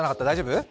大丈夫？